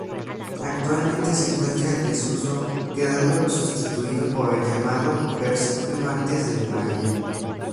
Actualmente se encuentra en desuso quedando sustituido por el llamado "versículo antes del Evangelio".